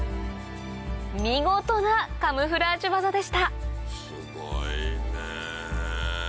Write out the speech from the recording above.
見事なカムフラージュ技でしたすごいねぇ。